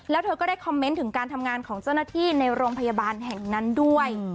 แล้วเธอก็ได้คอมเมนต์ถึงการทำงานของเจ้าหน้าที่ในโรงพยาบาลแห่งนั้นด้วย